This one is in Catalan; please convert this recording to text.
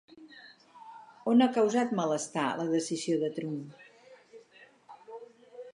On ha causat malestar la decisió de Trump?